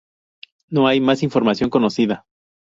No hay más información conocida.